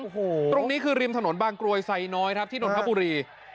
โอ้โหตรงนี้คือริมถนนบางกรวยไซน้อยครับที่นนทบุรี